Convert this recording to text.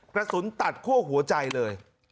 กระสุนตัดคั่วหัวใจเลย